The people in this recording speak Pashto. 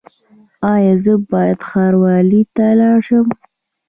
ایا زه باید ښاروالۍ ته لاړ شم؟